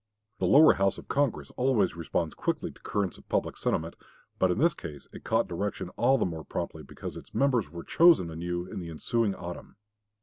The lower House of Congress always responds quickly to currents of public sentiment; but in this case it caught direction all the more promptly because its members were to be chosen anew in the ensuing autumn.